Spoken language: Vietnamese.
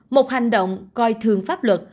một hành động coi thường pháp luật